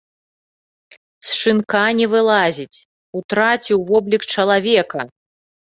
З шынка не вылазіць, утраціў воблік чалавека.